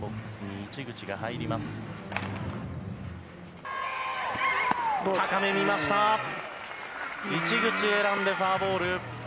市口、選んでフォアボール。